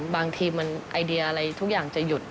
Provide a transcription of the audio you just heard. บางทีมันไอเดียอะไรทุกอย่างจะหยุด